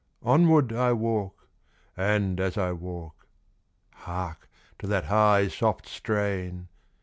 Onward I walk, and as I walk Hark to that high, soft strain!